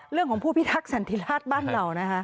เรื่องของผู้พิทักษณ์สันติราชบ้านเรานะครับ